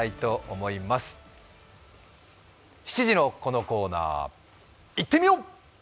７時のこのコーナーいってみよう！